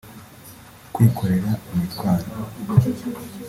kwikorera imitwaro